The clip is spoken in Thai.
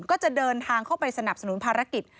ก็จะเดินทางเข้าไปสนับสนุนภารกิจ